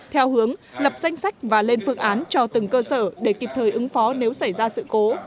theo hướng lập danh sách và lên phương án cho từng cơ sở để kịp thời ứng phó nếu xảy ra sự cố